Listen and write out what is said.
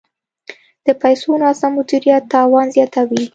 د پیسو ناسم مدیریت تاوان زیاتوي.